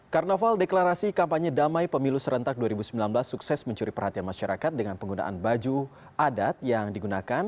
karnaval deklarasi kampanye damai pemilu serentak dua ribu sembilan belas sukses mencuri perhatian masyarakat dengan penggunaan baju adat yang digunakan